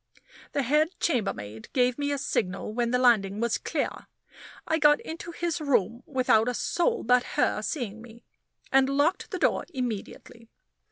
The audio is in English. The head chambermaid gave me a signal when the landing was clear. I got into his room without a soul but her seeing me, and locked the door immediately.